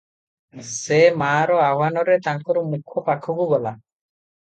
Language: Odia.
ସେ ମାଆର ଆହ୍ୱାନରେ ତାଙ୍କର ମୁଖ ପାଖକୁ ଗଲା ।